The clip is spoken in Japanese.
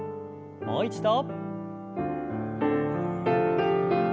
もう一度。